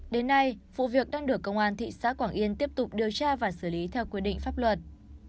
đến nay vụ việc đang được công an thị xã quảng yên tiếp tục điều tra và xử lý theo quy định pháp luật